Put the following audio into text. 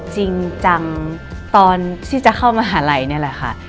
จริงจังตอนที่จะเข้ามหาลัยนี่แหละค่ะ